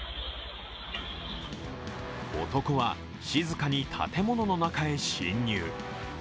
男は静かに建物の中へ侵入。